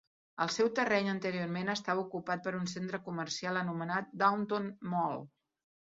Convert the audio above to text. El seu terreny anteriorment estava ocupat per un centre comercial anomenat Downtown Mall.